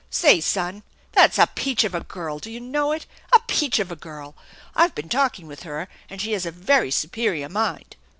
Say, son, that's a peach of a girl, do you know it ? A peach of a girl ! I've been talking with her, and she has a very superior mind."